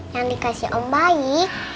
yang dikasih om bayi